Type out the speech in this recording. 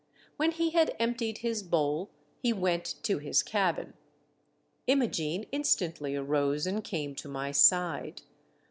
When he had emptied his bowl, he went to his cabin. Imogene instantly arose and came to my side.